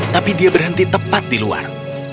tapi dia berhenti tepat di luar